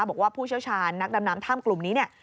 บอกว่าผู้เชี่ยวชาญนักดำนำถ้ำกลุ่มนี้